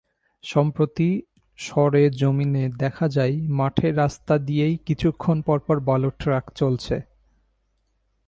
সম্প্রতি সরেজমিনে দেখা যায়, মাঠে রাস্তা দিয়েই কিছুক্ষণ পরপর বালুর ট্রাক চলছে।